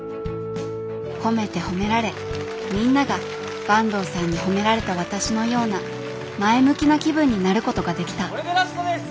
褒めて褒められみんなが坂東さんに褒められた私のような前向きな気分になることができたこれでラストです！